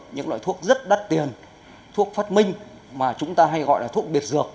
những loại thuốc rất đắt tiền thuốc phát minh mà chúng ta hay gọi là thuốc biệt dược